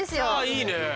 いいね！